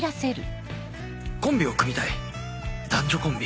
「コンビを組みたい男女コンビ？